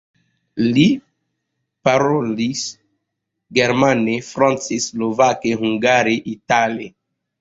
Li parolis germane, france, slovake, hungare, itale.